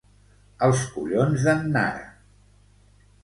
Els collons d'en Nara!